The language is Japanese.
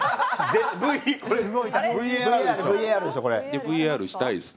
ＶＡＲしたいですね。